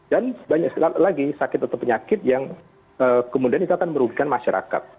dan banyak lagi sakit atau penyakit yang kemudian itu akan merugikan masyarakat